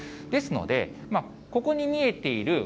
ですので、ここに見えている